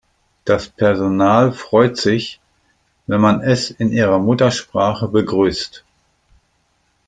Das Personal freut sich, wenn man es in ihrer Muttersprache begrüßt.